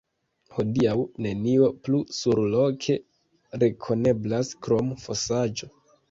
Hodiaŭ nenio plu surloke rekoneblas krom fosaĵo.